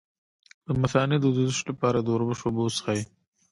د مثانې د سوزش لپاره د وربشو اوبه وڅښئ